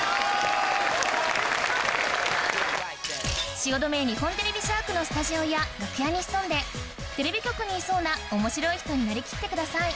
汐留日本テレビ社屋のスタジオや楽屋に潜んでテレビ局にいそうな面白い人になりきってください